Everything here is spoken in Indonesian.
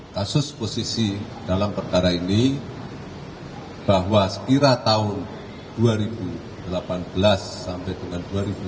kasus posisi dalam perkara ini bahwa sekira tahun dua ribu delapan belas sampai dengan dua ribu sembilan belas